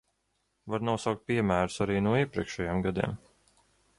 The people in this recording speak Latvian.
Var nosaukt piemērus arī no iepriekšējiem gadiem.